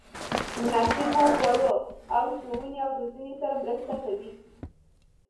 مناسبو خوړو او ښوونې او روزنې سره مرسته کوي.